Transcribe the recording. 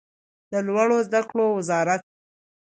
د لوړو زده کړو وزارت